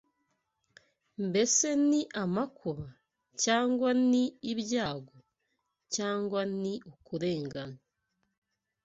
Mbese ni amakuba, cyangwa ni ibyago, cyangwa ni ukurenganywa